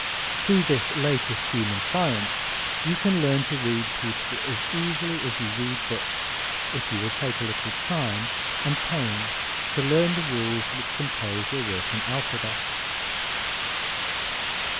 Through this latest human science you can learn to read people as easily as you read books if you will take the little time and pains to learn the rules which compose your working alphabet.